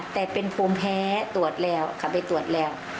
แต่เป็นภูมิแพ้ตรวจแล้วเขาไปตรวจแล้ว